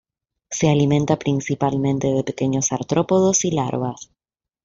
Se alimenta principalmente de pequeños artrópodos y larvas.